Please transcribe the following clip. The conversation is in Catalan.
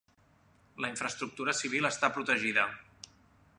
La infraestructura civil està protegida.